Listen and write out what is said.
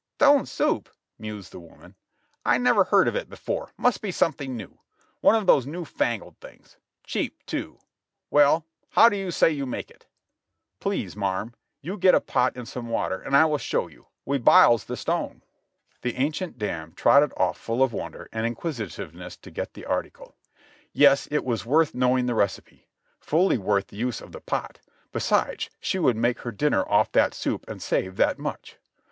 "Stone soup," mused the woman, "I never heard of it before, must be something new ; one of these new fangled things ; cheap, too ; well, how do you say you make it ?" "Please, marm, you get a pot with some water and i will show you; we biles the stone." The ancient dame trotted off full of wonder and inquisitiveness to get the article. Yes, it was worth knowing the recipe; fully worth the use of the pot, besides she would make her dinner off that soup and save that much!